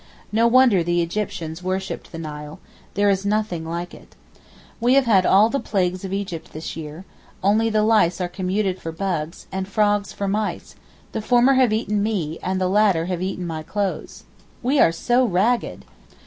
No wonder the Egyptians worshipped the Nile: there is nothing like it. We have had all the plagues of Egypt this year, only the lice are commuted for bugs, and the frogs for mice; the former have eaten me and the latter have eaten my clothes. We are so ragged!